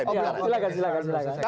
silahkan silahkan silahkan